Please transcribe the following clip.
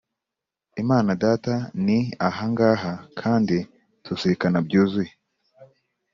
imana data. ni aha ngaha kandi tuzirikana byuzuye